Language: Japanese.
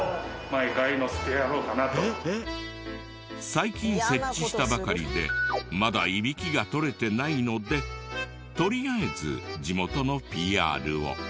最近設置したばかりでまだイビキが撮れてないのでとりあえず地元のＰＲを。